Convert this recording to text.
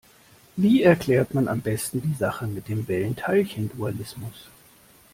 Wie erklärt man am besten die Sache mit dem Welle-Teilchen-Dualismus?